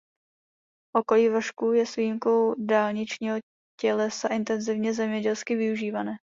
Okolí vršku je s výjimkou dálničního tělesa intenzivně zemědělsky využívané.